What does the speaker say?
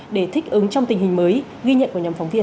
để thích ứng trong tình hình mới ghi nhận của nhóm phóng viên